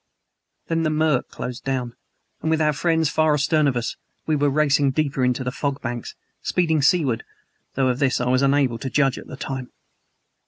Then the murk closed down, and with our friends far astern of us we were racing deeper into the fog banks speeding seaward; though of this I was unable to judge at the time.